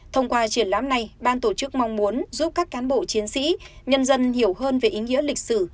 thông qua triển lãm này ban tổ chức mong muốn giúp các cán bộ chiến sĩ nhân dân hiểu hơn về ý nghĩa lịch sử